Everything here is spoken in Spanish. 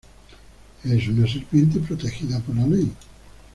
Es una serpiente protegida por la ley.